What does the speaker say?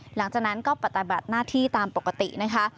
หลังจากนั้นก็ปฏิบัติหน้าที่ตามปกตินะคะ